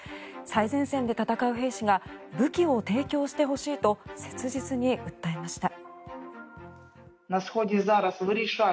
最前線で戦う兵士が武器を提供してほしいと切実に訴えました。